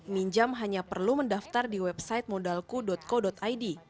minjam hanya perlu mendaftar di website modalku co id